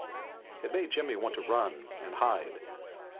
It made Jimmy want to run and hide.